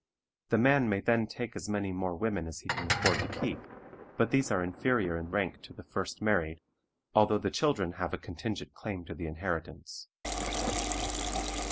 The man may then take as many more women as he can afford to keep, but these are inferior in rank to the first married, although the children have a contingent claim to the inheritance.